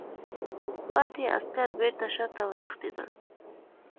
پاتې عسکر بېرته شاته وتښتېدل.